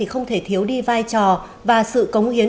không thể thiếu đi vai trò và sự cống hiến